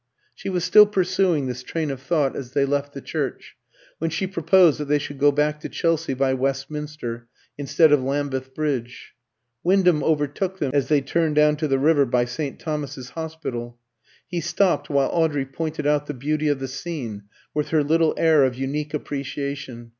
She was still pursuing this train of thought as they left the church, when she proposed that they should go back to Chelsea by Westminster instead of Lambeth Bridge. Wyndham overtook them as they turned down to the river by St. Thomas's Hospital. He stopped while Audrey pointed out the beauty of the scene with her little air of unique appreciation.